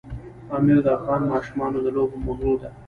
پامیر د افغان ماشومانو د لوبو موضوع ده.